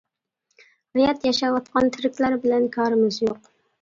ھايات ياشاۋاتقان تىرىكلەر بىلەن كارىمىز يوق.